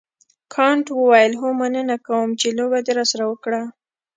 کانت وویل هو مننه کوم چې لوبه دې راسره وکړه.